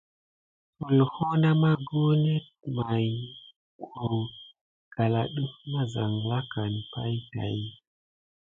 Tulho na maku net maye dukua kala def mazalakane pay tät de.